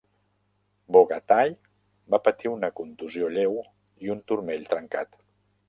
Bogataj va patir una contusió lleu i un turmell trencat.